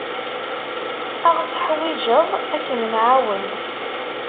Ad aɣ-teḥwijeḍ ad kem-nɛawen.